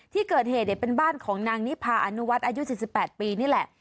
ที่เกิดเหตุเป็นบ้านของนางนิพาอนุวัฒน์อายุ๔๘ปีนี่แหละ